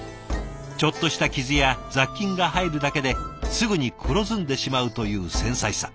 ちょっとした傷や雑菌が入るだけですぐに黒ずんでしまうという繊細さ。